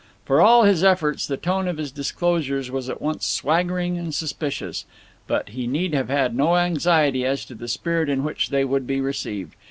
For all his efforts, the tone of his disclosures was at once swaggering and suspicious; but he need have had no anxiety as to the spirit in which they would be received.